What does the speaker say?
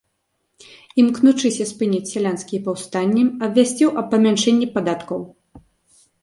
Імкнучыся спыніць сялянскія паўстанні, абвясціў аб памяншэнні падаткаў.